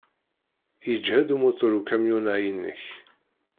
Yeǧhed umutur ukamyun-a-inek.